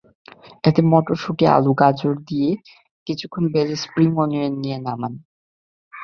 এতে মটরশুঁটি, আলু, গাজর দিয়ে কিছুক্ষণ ভেজে স্প্রিং ওনিয়ন দিয়ে নামান।